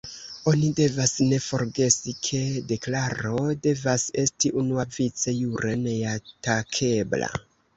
Oni devas ne forgesi, ke deklaro devas esti unuavice jure neatakebla.